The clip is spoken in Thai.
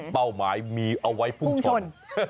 เป้าหมายมีเอาไว้พุ่งชน